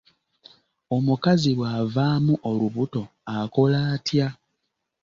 Omukazi bw'avaamu olubuto akola atya?